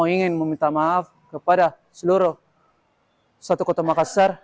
ingin meminta maaf kepada seluruh satu kota makassar